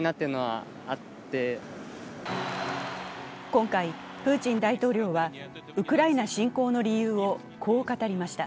今回プーチン大統領はウクライナ侵攻の理由をこう語りました。